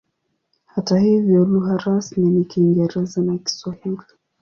Hata hivyo lugha rasmi ni Kiingereza na Kiswahili.